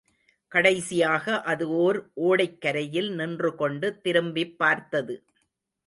கடைசியாக அது ஓர் ஓடைக் கரையில் நின்றுகொண்டு திரும்பிப் பார்த்தது.